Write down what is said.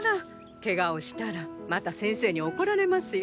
ケガをしたらまた先生に怒られますよ。